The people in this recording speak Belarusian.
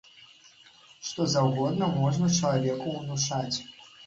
Што заўгодна можна чалавеку ўнушаць.